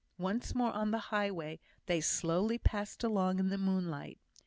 Once more on the highway, they slowly passed along in the moonlight.